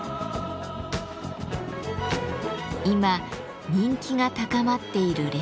今人気が高まっているレコード。